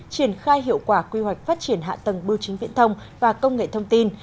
triển khai hiệu quả quy hoạch phát triển hạ tầng bưu chính viễn thông và công nghệ thông tin